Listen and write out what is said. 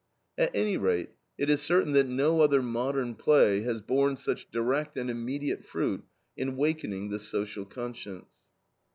At any rate, it is certain that no other modern play has borne such direct and immediate fruit in wakening the social conscience.